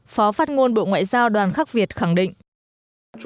phó phát ngôn bộ ngoại giao đoàn khắc việt khẳng định